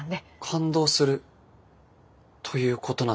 感動するということなんですね。